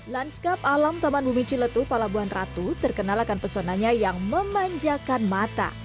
lanskap alam taman bumi ciletu palabuhan ratu terkenal akan pesonanya yang memanjakan mata